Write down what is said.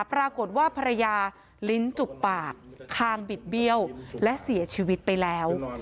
ภรรยาลิ้นจุกปากคางบิดเบี้ยวและเสียชีวิตไปแล้ว